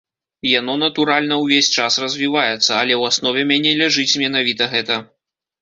Яно, натуральна, увесь час развіваецца, але ў аснове мяне ляжыць менавіта гэта.